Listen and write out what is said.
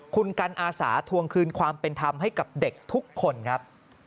คุณกันอาสาทวงคืนความเป็นธรรมให้กับเด็กทุกคนครับ